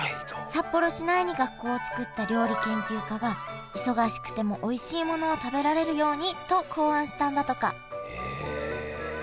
札幌市内に学校をつくった料理研究家が忙しくてもおいしいものを食べられるようにと考案したんだとかえ。